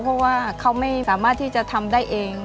เพราะว่าเขาไม่สามารถที่จะทำได้เอง